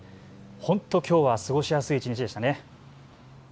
本当、きょうは過ごしやすい一日でしたね。